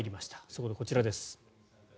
そこでこちらです。